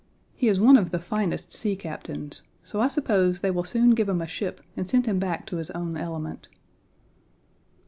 He is one of the finest sea captains; so I suppose they will soon give him a ship and send him back to his own element.